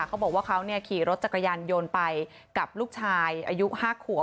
เขาบอกว่าเขาขี่รถจักรยานยนต์ไปกับลูกชายอายุ๕ขวบ